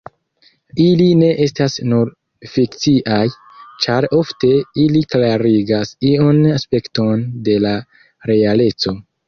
Ili ne estas nur fikciaj, ĉar ofte ili klarigas iun aspekton de la realeco.